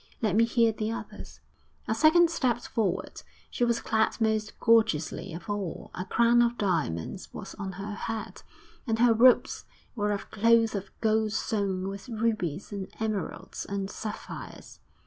Let me hear the others.' A second stepped forward. She was clad most gorgeously of all; a crown of diamonds was on her head, and her robes were of cloth of gold sewn with rubies and emeralds and sapphires.